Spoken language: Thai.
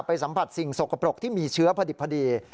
สัมผัสสิ่งสกปรกที่มีเชื้อพอดี